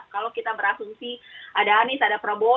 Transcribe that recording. kalau kita berasumsi ada anies ada prabowo